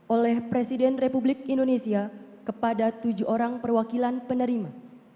oleh presiden republik indonesia kepada tujuh orang perwakilan penerima